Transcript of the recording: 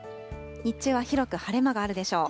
日中は広く晴れ間があるでしょう。